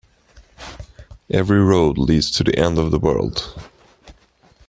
Every road leads to the end of the world.